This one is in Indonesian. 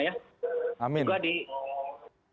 kategori ganti ukuran ya